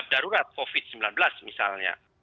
darurat covid sembilan belas misalnya